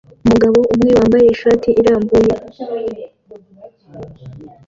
Umugabo umwe wambaye ishati irambuye